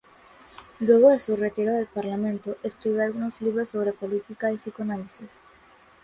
Luego de su retiro del parlamento, escribió algunos libros sobre política y psicoanálisis.